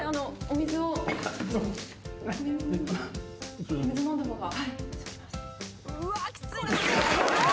水飲んだ方が。